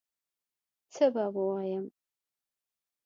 څه به ووایم